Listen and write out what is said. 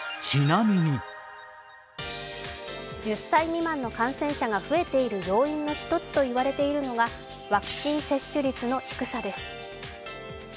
１０歳未満の感染者が増えている要因と言われているのがワクチン接種率の低さです。